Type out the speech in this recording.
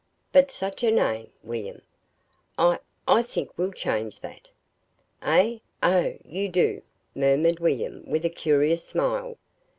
but such a name, William! I I think we'll change that." "Eh? Oh, you do," murmured William, with a curious smile.